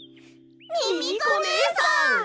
ミミコねえさん！